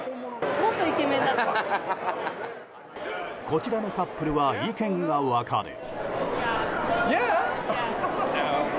こちらのカップルは意見が分かれ。